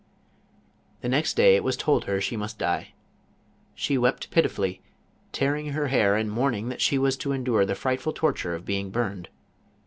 The next day it was told her she must die. She wept pitifully, tearing her hair and mourning that she was to endure the frightful torture of being burned.